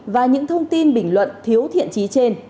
và những thông tin bình luận thiếu thiện trí trên